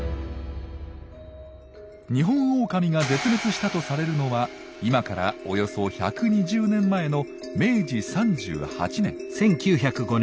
ニホンオオカミが絶滅したとされるのは今からおよそ１２０年前の明治３８年。